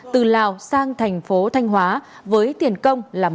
từ lào sang thành phố thanh hóa với tiền công là một usd